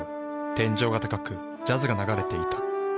天井が高くジャズが流れていた。